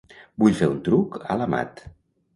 Vull fer un truc a l'Amat.